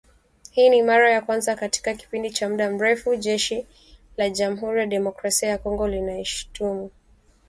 Hii ni mara ya kwanza katika kipindi cha muda mrefu Jeshi la Jamuhuri ya Demokrasia ya Kongo linaishutumu